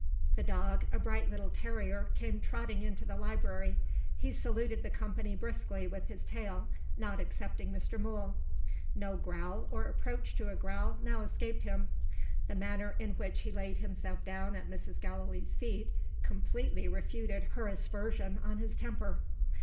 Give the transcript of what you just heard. The dog, a bright little terrier, came trotting into the library He saluted the company briskly with his tail, not excepting Mr. Mool. No growl, or approach to a growl, now escaped him. The manner in which he laid himself down at Mrs. Gallilee's feet completely refuted her aspersion on his temper.